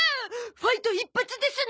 ファイト一発ですな！